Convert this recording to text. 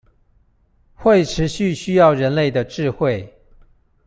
會持續需要人類的智慧